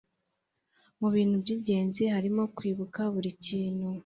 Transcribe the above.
Mu Ibintu byingenzi harimo kwibuka burikintu